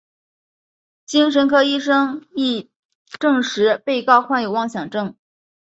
精神科医生亦证实被告患有妄想症。